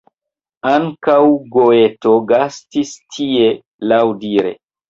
Ankaŭ Goeto gastis tie, laŭdire.